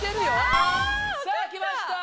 よし！